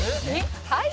「はい。